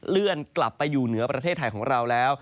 เลื่อนกลับไปอยู่เหนือประเทศไทยของเราแล้ว